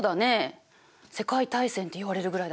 世界大戦っていわれるぐらいだからね。